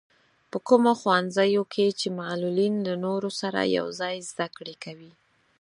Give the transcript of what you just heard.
په کومو ښوونځیو کې چې معلولين له نورو سره يوځای زده کړې کوي.